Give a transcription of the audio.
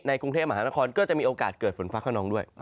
กรุงเทพมหานครก็จะมีโอกาสเกิดฝนฟ้าขนองด้วย